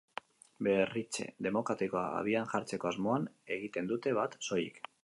Berritze demokratikoa abian jartzeko asmoan egiten dute bat, soilik.